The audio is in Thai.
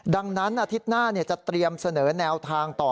ดังนั้นอาทิตย์หน้าจะเตรียมเสนอแนวทางต่อ